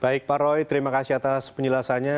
baik pak roy terima kasih atas penjelasannya